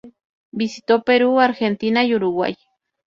Visitó Perú, Argentina y Uruguay.